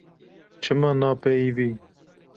Çima napeyivî.